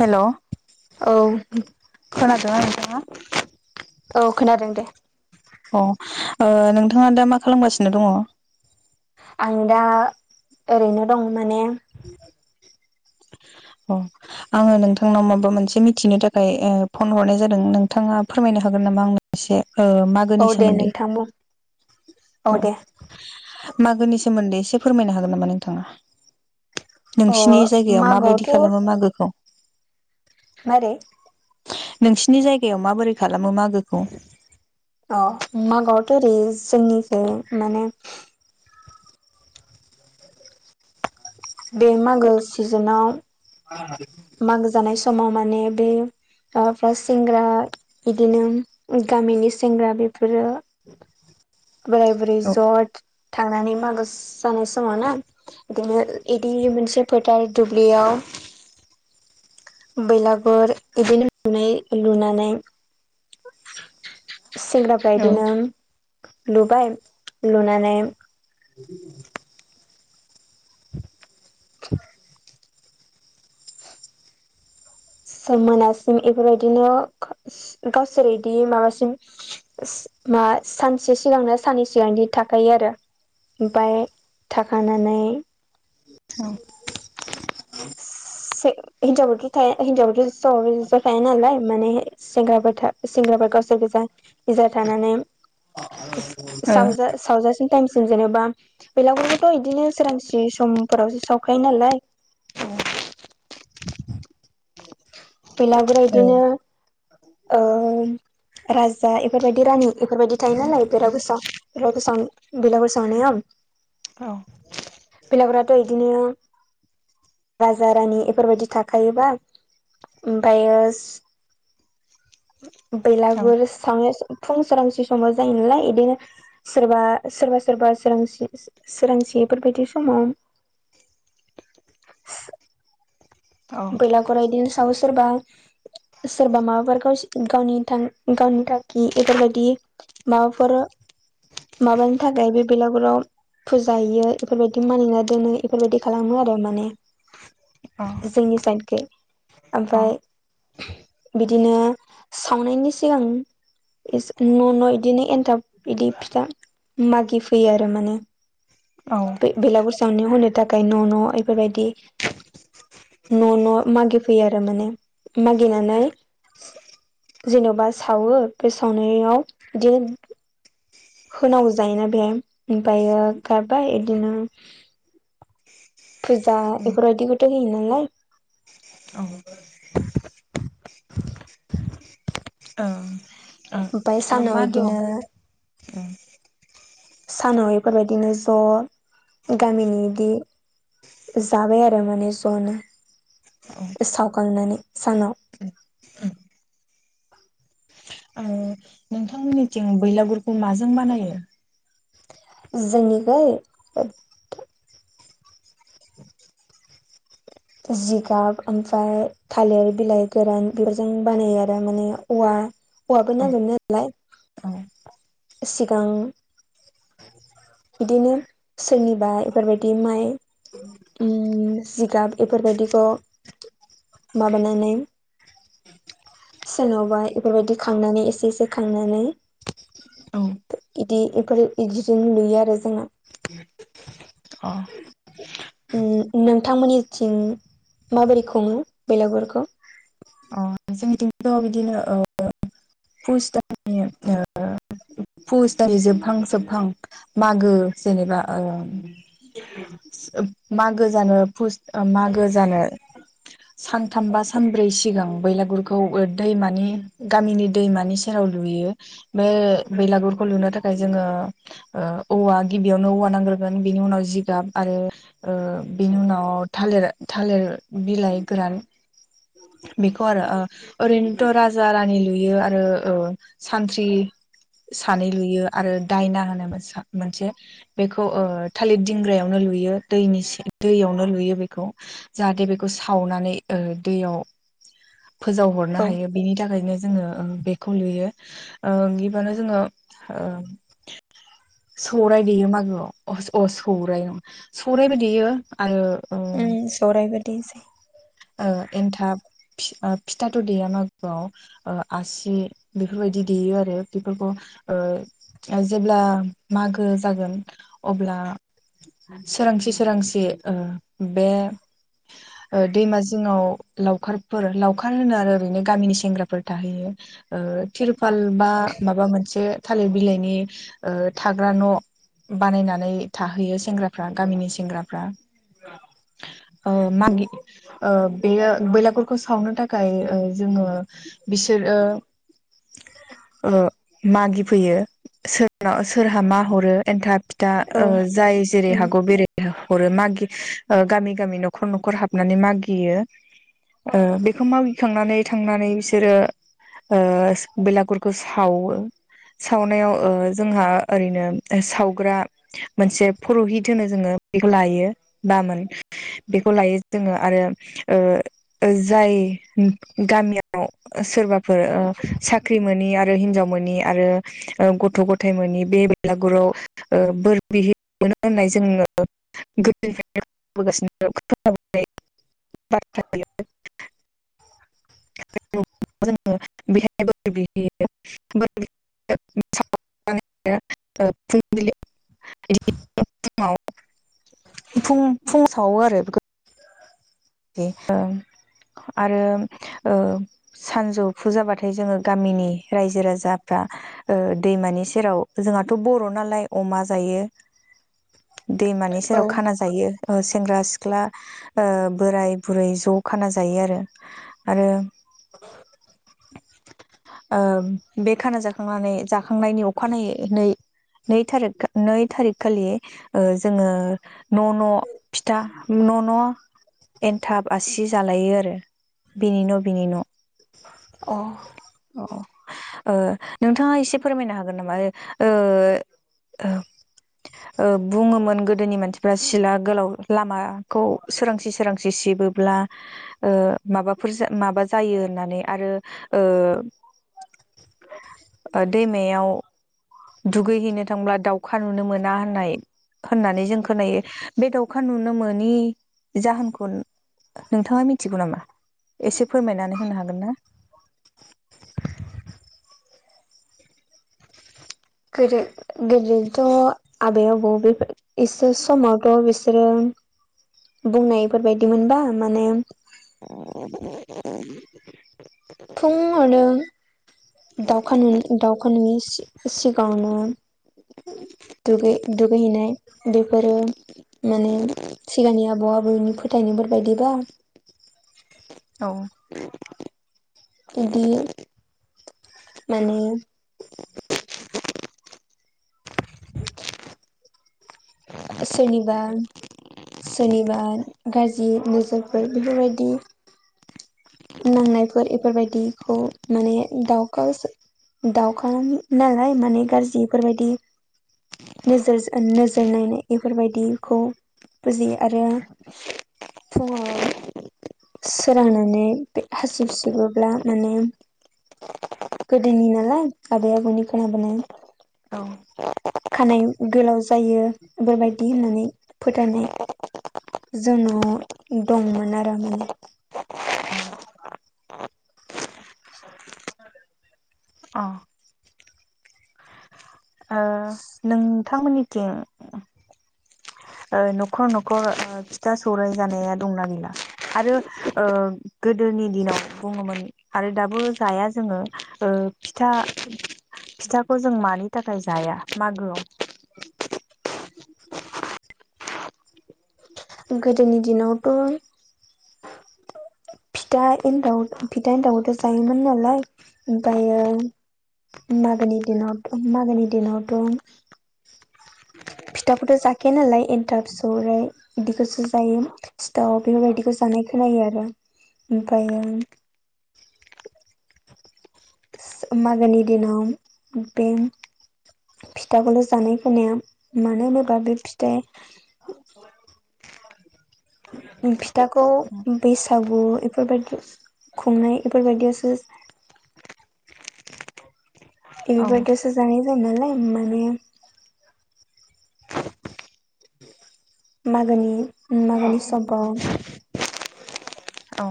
हेल' औ खोनादोंना नोंथाङा? औ खोनादों दे। अ ओ नोंथाङा दा मा खालामगासिनो दङ? आं दा ओरैनो दं माने अ आङो नोंथांनाव माबा मोनसे मिथिनो थाखाय ओ फन हरनाय जादों नोंथाङा फोरमायनो हागोन नामा आंनो? एसे ओ मा औ दे नोंथां बुं। औ दे मागोनि सोमोन्दै एसे फोरमायनो हागोन नामा नोंथाङा? अ नोंसिनि जायगायाव माबायदि खालामो मागोआवथ' मागोखौ? मारै? नोंसिनि जायगायाव माबोरै खालामो मागोखौ अ मागोआवथ' ओरै जोंनिखै माने बे मागो सिजोनाव [unintelligible] मागो जानाय समाव माने बे माबाफ्रा सेंग्रा इदिनो गामिनि सेंग्रा बेफोरो बोराय बुरै औ जर्ट थांनानै मागो जानाय समाव ना बिदिनो इदि मोनसे फोथार दुब्लियाव बैलागुर इदिनो लनाय लुनानै सेंग्राफ्रा औ इदिनो लुबाय लुनानै [inaudible] [inaudible] हम मोनासिम बेफोरबायदिनो गावसोर बिदि माबासिम मा सानसे सिगांनो साननै सिगांदि थाखायो आरो ओमफाय थाखानानै औ [unintelligible] माने सेंग्राफोर सेंग्राफोर गावसोर गोजा गो थानानै सावजा सावजासिन टाइमसिम जेनेबा बेलागुरखौथ' बिदिनो सोरांसि समफोरावसो सावखायो नालाय बेलागुरा ओ इदिनो ओ राजा इफोरबायदि रानि बेफोरबायदि थायो नालाय बिराद गोसोआव बेलागुर सावना बिलागुर सावनाया औ भिलागनराथ' बिदिनो राजा रानि बेफोरबायदि थाखायोबा ओमफायो औ बेैलागुर सावना फुं सोरांसि समाव जायो नालाय बिदिनो सोरबा सोरबा सोरबा सोरां सोरांसिफोरबायदि समाव [inaudible] औ बेलागरा बिदिनो सायाव सोरबा सोरबा माबाफोराखौ गावनि थां गावनि थांखि बेफोरबायदि माबाफोर माबानि थाखाय बे बेलगुराव फुजा हैयो इफोरबायदि मानिना दोनो इफोरबायदि खालामो आरो माने। जोंनि साइडखै औ ओमफ्राय बिदिनो सावनायनि सिगां इसे न' न' इदिनो एन्थाब बिदि फिथा मागि फैयो आरो माने। औ बेलागुर सावनायाव होनो थाखाय न' न' बेफोरबायादि न' न' मागिफै फैयो आरो माने मागिनानै - जेन'बा सावो बे सावनायाव बिदिनो होनांगौ जायोना बेहाय ओमफ्रायो गारबाय बिदिनो फुजा बेफोरबायदिखौथ' होयो नालाय। औ ओ ओमफाय ओ सानाव मा [unintelligible] इदिनो उम सानाव बेफोरबायदिनो ज' गामिनि बिदि जाबाय आरो माने ज'नो औ सावगालनानै सानाव आरो नोंथां मिनिथिं बैलागुरखौ माजों बानायो जोंनिखै जिगाब ओमफ्राय थालिर बिलाइ गोरान बेफोरजों बानायो आरो माने औवा बाब औ न ललाय सिगां बिदिनो सोरनिबा एफोरबायदि माइ ओम जिगाब एफोरबायदिखौ माबानानै सोरनावबा इफोरबायदि खांनानै एसे एसे खांनानै औ इदि इदिफोर इदिजों नुयो आरो जोंना अ। ओम नोंथांमोननिथिं माबोरै खुङो बेलागुरखौ? ओ जोंनिथिंथ' बिदिनो ओ पुस दाननि ओ फुस दाननि जोबहां जोबहां मागो जेनेबा ओ ओ मागो जानो फुस ओ मागो जानो सानथाम बा सानब्रै सिगां बैला गुरखौ दैमानि गामिनि दैमानि सेराव लुयो। बे बेलागुरखौ लुनो थाखाय जोङो ओ औवा गिबियावनो औवा नांग्रोगोन। बेनि उनाव जिगाब आरो ओ बिनि उनाव थालिर थालिर बिलाइ गोरान बेखौ आरो ओ ओरैनोथ' राजा रानि लुयो आरो ओ सानथ्रि सानै लुयो आरो दायना होनो मोनबा मोनसे बेखौ ओ थालिर दिंग्रायावनो लुयो दैनि सि दैयावनो लुयो बेखौ। जाहाथे बेखौ सावनानै ओ दैयाव फोजावहरनो औ हायो। बिनि थाखायनो जोङो ओ बेखौ लुयो। ओ गिबानो जोङो ओ सौराय देयो मागोआव अ अ सौराय नङा सौरायबो देयो। आरो ओ उम सौराय बायदिसो ओ एन्थाब फि फिथाथ' देया मागोआव। ओ आसि बेफोरबायदि देयो आरो बेफोरखौ ओ जेब्ला मागो जागोन अब्ला सोरांसि सोरांसि ओ बे ओ दैमा जिङाव लावखारफोर लाव खार होनो आरो ओरैनो गामिनि सेंग्राफोर थाहैयो। ओ तिरपाल बा माबा मोनसे थालिर बिलाइनि ओ थाग्रा न' बानायनानै थाहैयो सेंग्राफ्रा गामिनि सेंग्राफ्रा। ओ मागि ओ बेयो बेलागुरखौ सावनो था खाय ओ जोङो बिसोरो ओ मागिफैयो सोरना सोरहा मा हरो एन्थाब फि था औ ओ जाय जेरै उम हागौ बेरै हरो, मागि ओ गामि गामि न'खर न'खर हाबनानै मागियो। ओ बेखौ मावगिखांनानै थांनानै बिसोरो ओ बेलागुरखौ सावो‌। सावनायाव ओ जोंहा ओरैनो सावग्रा मोनसे पुरहित होनो जोङो बेखौ लायो बामोन। बेखौ लायो जोङो आरो ओ जाय गामियाव सोरबाफोर ओ साख्रि मोनि आरो हिनजाव मोनि आरो ओ गथ' गथाय मोनि बे बेलागुराव ओ बोर बिहैबा मोनो होननाय जोङो गोदोनिफ्रायनो [unintelligible] [unintelligible] जों बेहायबो बोर बिहैयो। [unintelligible] [unintelligible] फुं फुङाव सावो आरो बेखौ [unintelligible] ओं आरो ओ सानजौफु जाबाथाय जोङो गामिनि रायजो राजाफ्रा दैमानि सेराव जोंहाथ' बर' नालाय अमा जायो।। दैमानि औ सेराव खाना जायो सेंग्रा सिख्ला ओ बोराय बुरै ज' खाना जायो आरो आरो ओ बे खाना जाखांनानै जाखांनायनि अखानायै नै नै थारिख नै थारिख खालि ओ जोङो न' न' फिथा न' न' एन्थाब आसि जालायो आरो बिनि न' बिनि न'। अ अ ओ नोंथाङा एसे फोरमायनो हागोन नामा ओ ओ ओ बुङोमोन गोदोनि मानसिफ्रा सिला गोलाव लामाखौ सोरांसि सोरांसि सिबो ब्ला माबाफोर माबा जायो होननानै आरो ओ दैमायाव दुगैहैनो थांब्ला दाउखा नुनो मोना होननाय होननानै जों खोनायो बे दाउखा नुनो मोनि जाहोनखौ नोंथाङा मिथिगौ नामा एसे फोरमायनानै होनो हागोन ना? [inaudible] गोदो गोदोथ' आबै आबौ बे इसोर समावथ' बिसोरो बुंनायफोरबायदि मोनबा माने [inaudible] फुंङावनो दावखा नुयि दावखा नुयिनि सिगाङावनो दुगै दुगैहैनाय बेफोरो माने सिगांनि आबौ आबैनि फोथायनायफोर बायायदिबा औ बिदि माने सोरनिबा सोरनिबा गाज्रि नोजोरफोर बेफोरबायदि नांनायफोर इफोरबायदिखौ माने दावखा सो दाउखा नालाय माने गाज्रि बेफोरबायदि नोजोरजों नोजोर नायनाय बेफोरबायदिखौ बुजियो आरो फुङाव सोरांनानै बे हासिब सिबोब्ला माने गोदोनि नालाय आबै आबौनि खोनाबोनाय औ खानाय गोलाव जायो बेबायदि होननानै फोथायनाय जों नाव दंमोन आरो माने अ नोंथां मोननिथिं ओ न'खर न'खर ओ फिथा सौराइ जानाया दंना गैला आरो ओ गोदोनि दिनाव बुङोमोन आरो दाबो जाया जोङो ओ फिथा फिथाखौ जों मानि थाखाय जाया मागोआव गोदोनि दिनावथ' [inaudible] फिथाा एन्थाव फिथा एन्थाव खौथ' जायोमोन नालाय ओमफ्रायो मागोनि दिनाव मागोनि दिनावथ' फिथाखौथ' जाखाया नालाय एन्थाब सौराय बिदिखौसो जायो। सिथाव बेफोरबायदिखौ जानाय खोनायो आरो ओमफ्रायो मागोनि दिनाव बें फिथाखौल' जानाय खोनाया मानो होनोबा बे फिथाया फिथाखौ बैसागु एफोरबायदि खुंनाय एफोरबायदियावसो एफोर औ बायदियावसो जानाय जायो नालाय माने मागोनि मागोनि समफ्राव औ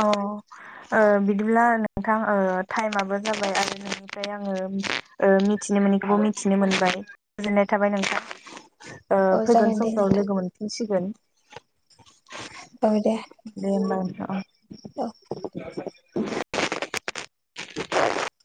औ ओ बिदिब्ला नोंथां ओ टाइमाबो जाबाय आरो नोंनिफ्राय आंङो [unintelligible] ओ मिथिनो मोनैखौबो मिथिनो मोनबाय गोजोननाय थाबाय नोंथां। ओ औ फैगोन जागोन दे समफ्राव लोगो मोनफिनसिगोन। औ दे। दे होमबा नोंथां। औ [unintelligible]